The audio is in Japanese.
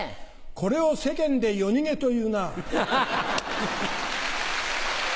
これを世間で夜逃げというなぁ。